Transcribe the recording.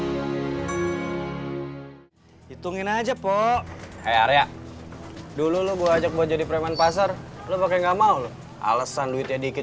hai hitungin aja poh area dulu gue ajak buat jadi preman pasar lu pake nggak mau alesan duitnya dikit